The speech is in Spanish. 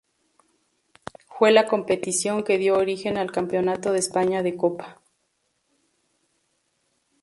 Fue la competición que dio origen al Campeonato de España de Copa.